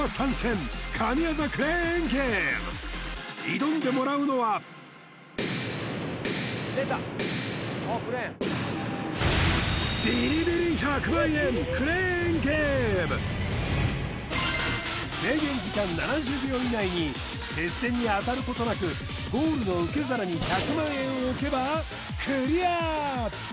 挑んでもらうのは制限時間７０秒以内に鉄線に当たることなくゴールの受け皿に１００万円を置けばクリア！